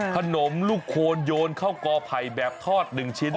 ขนมลูกควรโยนข้าวกอไผ่แบบทอดหนึ่งชิ้น